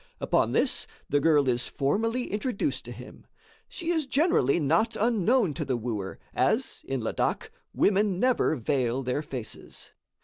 Upon this the girl is formally introduced to him. She is generally not unknown to the wooer, as, in Ladak, women never veil their faces.